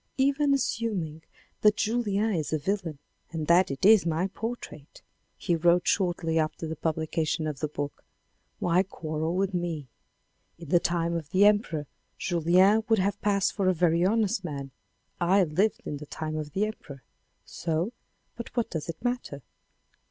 " Even assuming that Julien is a villain and that it is my portrait," he wrote shortly after the publication of the book, " why quarrel with me. In the time of the Emperor, Julien would have passed for a very honest man. I lived in the time of the Emperor. So — but what does it matter